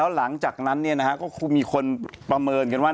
หลังจากนั้นก็คงมีคนประเมินกันว่า